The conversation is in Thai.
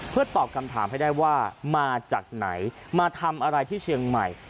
เพื่อตอบคำถามให้ได้ว่ามาจากไหนมาทำอะไรที่เชียงใหม่